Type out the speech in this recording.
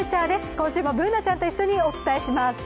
今週もＢｏｏｎａちゃんと一緒にお伝えします。